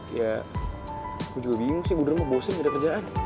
ya gue juga bingung sih gue udah mokbosin gak ada kerjaan